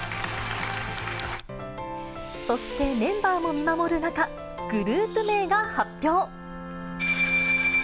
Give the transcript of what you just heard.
そしてメンバーも見守る中、グループ名が発表。